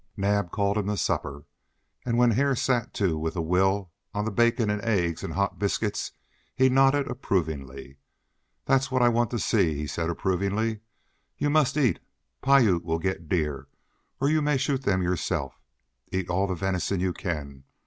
Naab called him to supper, and when Hare set to with a will on the bacon and eggs, and hot biscuits, he nodded approvingly. "That's what I want to see," he said approvingly. "You must eat. Piute will get deer, or you may shoot them yourself; eat all the venison you can.